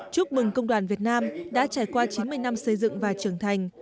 chúc mừng công đoàn việt nam đã trải qua chín mươi năm xây dựng và trưởng thành